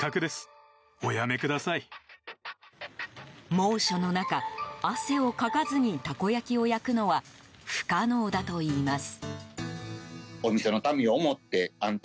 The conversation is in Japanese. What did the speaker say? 猛暑の中、汗をかかずにたこ焼きを焼くのは不可能だといいます。